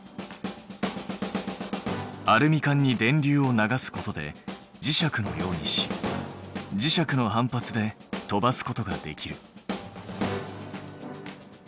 アルミ缶に電流を流すことで磁石のようにし磁石の反発で飛ばすことができる。